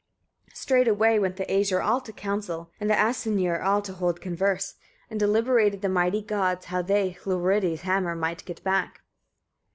15. Straightway went the Æsir all to council, and the Asyniur all to hold converse; and deliberated the mighty gods, how they Hlorridi's hammer might get back.